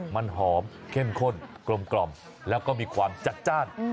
มันหอมเข้มข้นกลมแล้วก็มีความจัดจ้าน